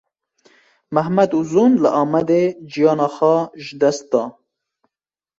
Mehmet Uzun, li Amedê jiyana xwe ji dest da